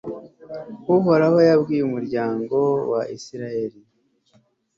uhoraho yabwiye umuryango wa israheli